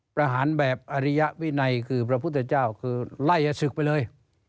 ประหารแบบอริยวินัยคือพระพุทธเจ้าคือไล่ศึกไปเลย